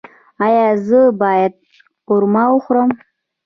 ایا زه باید قورمه وخورم؟